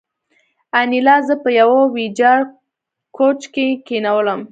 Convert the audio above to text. انیلا زه په یوه ویجاړ کوچ کې کېنولم